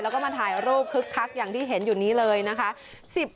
แล้วก็มาถ่ายรูปคึกคักอย่างที่เห็นอยู่นี้เลยนะคะ